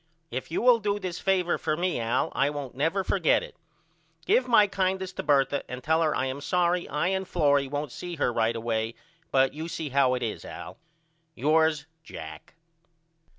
If you will do this favor for me, Al, I won't never forget it. Give my kindest to Bertha and tell her I am sorry I and Florrie won't see her right away but you see how it is Al. Yours, JACK.